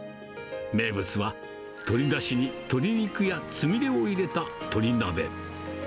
名物は鶏だしに鶏肉やつみれを入れた鶏鍋。